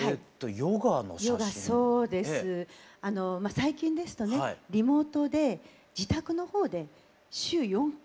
最近ですとねリモートで自宅のほうで週４回。